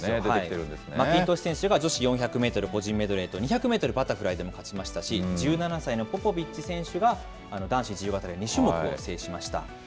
マキントシュ選手が女子４００メートル個人メドレーと２００メートルバタフライで勝ちましたし、１７歳のポポビッチ選手が男子自由形で２種目、制しました。